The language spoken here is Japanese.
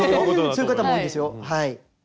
そういう方も多いですよはい。